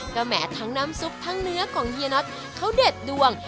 ก็แหมทั้งน้ำซุปทั้งเนื้อของเฮียน็อตเขาเด็ดดวง